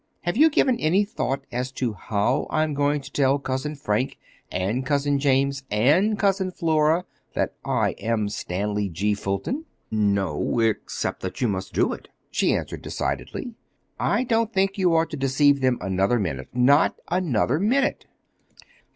Have you given any thought as to how I'm going to tell Cousin Frank and Cousin James and Cousin Flora that I am Stanley G. Fulton?" "No—except that you must do it," she answered decidedly. "I don't think you ought to deceive them another minute—not another minute."